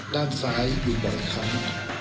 ด้านซ้ายอยู่บ่อยครั้ง